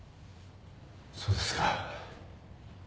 そうですか。